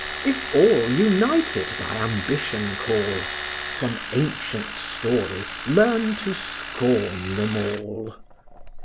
If all, united, thy ambition call, From ancient story learn to scorn them all.